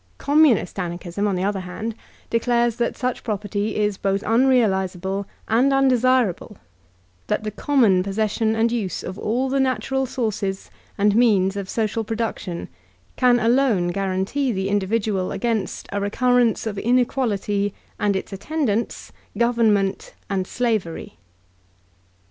Communist Anarchism, on the other hand, declares that such property b both unrealizable and undesirable; that the common posses sion and use of all the natural sources and means of social production can alone guarantee the individual against a recurrence of inequality, and its attendantSt government and slavery.